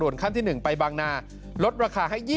โทษภาพชาวนี้ก็จะได้ราคาใหม่